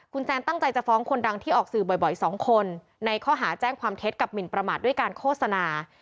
คุณแซนตั้งใจจะฟ้องคนดังที่ออกสื่อบ่อย๒คนในข้อหาแจ้งความเท็จกับหมินประมาทด้วยการโฆษณา